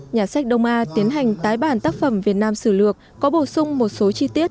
nhà sách đông a tiến hành tái bản tác phẩm việt nam sử lược có bổ sung một số chi tiết